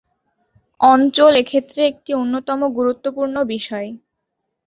অঞ্চল এক্ষেত্রে একটি অন্যতম গুরুত্বপূর্ণ বিষয়।